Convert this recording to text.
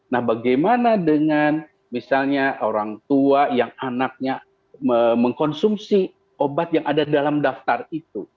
nah bagaimana dengan misalnya orang tua yang anaknya mengkonsumsi obat yang ada dalam daftar itu